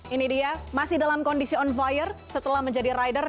ini dia masih dalam kondisi on fire setelah menjadi rider